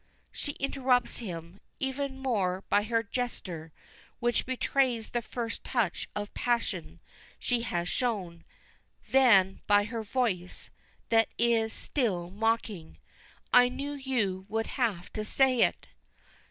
she interrupts him, even more by her gesture which betrays the first touch of passion she has shown than by her voice, that is still mocking. "I knew you would have to say it!"